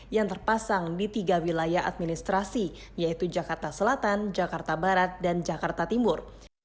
yang terpasang di tiga wilayah administrasi yaitu jakarta selatan jakarta barat dan jakarta timur